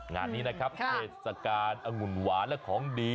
งานนี้นะครับเทศกาลองุ่นหวานและของดี